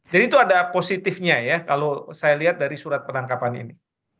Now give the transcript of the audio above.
jadi itu ada positifnya ya kalau saya lihat dari surat penangkapan ini